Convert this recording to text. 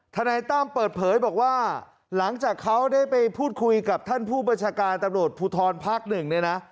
นายตั้มเปิดเผยบอกว่าหลังจากเขาได้ไปพูดคุยกับท่านผู้บัญชาการตำรวจภูทรภาคหนึ่งเนี่ยนะ